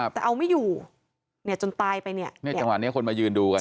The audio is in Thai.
แต่เอาไม่อยู่เนี่ยจนตายไปเนี่ยเนี่ยจังหวะนี้คนมายืนดูกัน